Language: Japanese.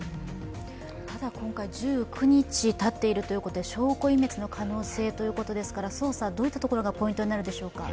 ただ今回１９日たっているということで証拠隠滅の可能性があるということで捜査、どういったところがポイントになるでしょうか？